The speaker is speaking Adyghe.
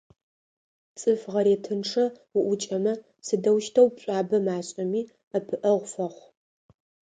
ЦӀыф гъэретынчъэ уӀукӀэмэ, сыдэущтэу пшӀуабэ машӀэми, ӀэпыӀэгъу фэхъу.